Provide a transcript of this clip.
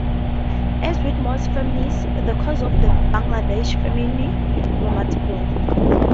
As with most famines, the causes of the Bangladesh famine were multiple.